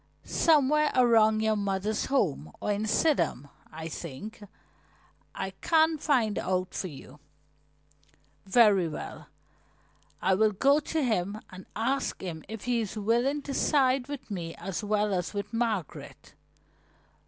"Somewhere around your mother's home, or in Sidham, I think. I can find out for you." "Very well, I will go to him and ask him if he is willing to side with me as well as with Margaret.